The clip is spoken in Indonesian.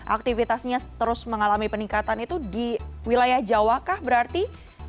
aktivitasnya terus mengalami peningkatan itu di wilayah jawa kah berarti